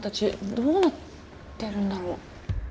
どうなってるんだろう？